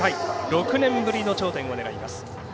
６年ぶりの頂点を狙います。